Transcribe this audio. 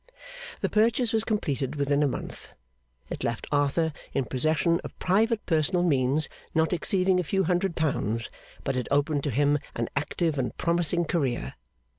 The purchase was completed within a month. It left Arthur in possession of private personal means not exceeding a few hundred pounds; but it opened to him an active and promising career.